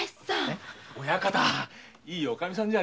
親方いいおカミさんじゃ。